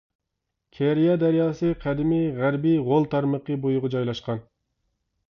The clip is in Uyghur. كېرىيە دەرياسى قەدىمىي غەربى غول تارمىقى بويىغا جايلاشقان.